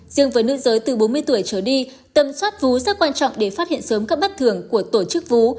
riêng với nữ giới từ bốn mươi tuổi trở đi tầm soát vú rất quan trọng để phát hiện sớm các bất thường của tổ chức vú